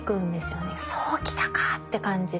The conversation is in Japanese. そうきたかって感じで。